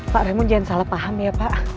pak namun jangan salah paham ya pak